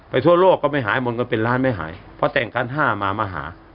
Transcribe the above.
ทั่วโลกก็ไม่หายหมดเงินเป็นล้านไม่หายเพราะแต่งกันห้ามามาหา